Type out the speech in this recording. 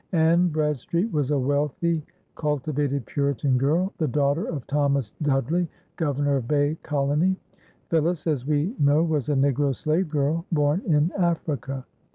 Anne Bradstreet was a wealthy, cultivated Puritan girl, the daughter of Thomas Dudley, Governor of Bay Colony. Phillis, as we know, was a Negro slave girl born in Africa.